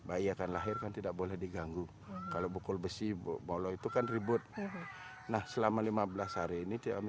bayi akan lahir kan tidak boleh diganggu kalau bukul besi bolo itu kan ribut nah selama lima belas hari ini